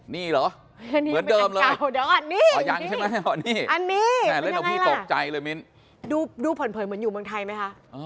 นี่เหรอเหมือนเดิมเลยเดี๋ยวอันนี้ใช่ไหมนี่อันนี้เล่นเอาพี่ตกใจเลยมิ้นดูเผินเหมือนอยู่เมืองไทยไหมคะ